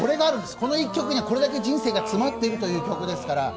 この１曲にはこれだけ人生が詰まってるという曲ですから。